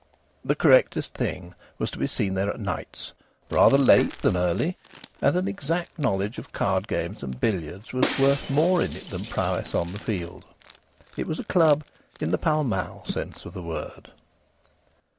The correctest thing was to be seen there at nights, rather late than early; and an exact knowledge of card games and billiards was worth more in it than prowess on the field. It was a club in the Pall Mall sense of the word.